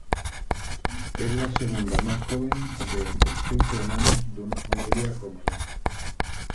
Es la segunda más joven de entre seis hermanos de una familia romaní.